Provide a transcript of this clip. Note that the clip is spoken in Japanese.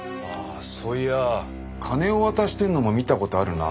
そういや金を渡してるのも見た事あるな。